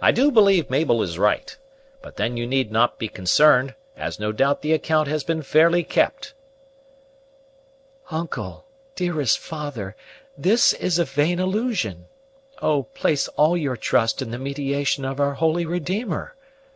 I do believe Mabel is right; but then you need not be concerned, as no doubt the account has been fairly kept." "Uncle! Dearest father! this is a vain illusion! Oh, place all your trust in the mediation of our Holy Redeemer!